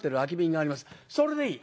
それでいい。